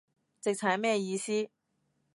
直踩咩意思